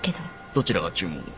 どちらが注文を？